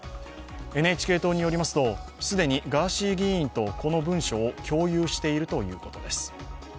ＮＨＫ党によりますと既にガーシー議員とこの文書を共有しているということです。